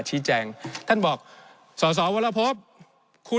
ในช่วงที่สุดในรอบ๑๖ปี